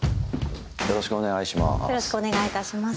よろしくお願いします。